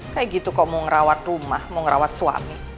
kayak gitu kok mau ngerawat rumah mau ngerawat suami